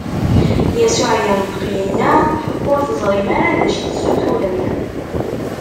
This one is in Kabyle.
Yasuɛ inṭeq, inna: Ur teẓrim ara d acu i tessuturem!